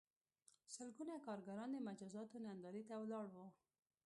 سلګونه کارګران د مجازاتو نندارې ته ولاړ وو